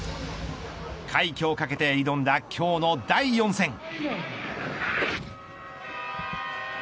快挙を懸けて挑んだ今日の第４戦。